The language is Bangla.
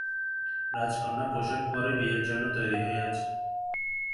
রাজকন্যা পোশাক পরে বিয়ের জন্য তৈরি হয়ে আছে।